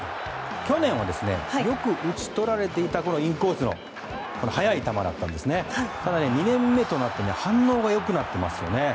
去年はよく打ち取られていたインコースの速い球でしたがただ、２年目となって反応が良くなっています。